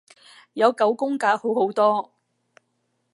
有九宮格好好多